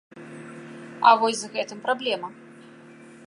А вось з гэтым праблема!